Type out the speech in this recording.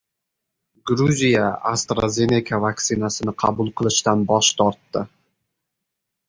Gruziya AstraZeneca vaksinasini qabul qilishdan bosh tortdi